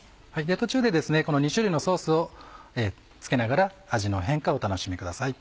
途中でこの２種類のソースをつけながら味の変化をお楽しみください。